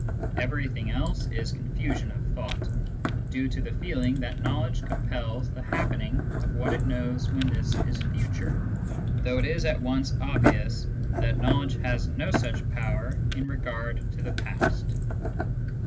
Everything else is confusion of thought, due to the feeling that knowledge compels the happening of what it knows when this is future, though it is at once obvious that knowledge has no such power in regard to the past.